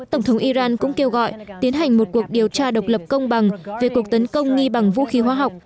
tổng thống iran cũng kêu gọi tiến hành một cuộc điều tra độc lập công bằng về cuộc tấn công nghi bằng vũ khí hóa học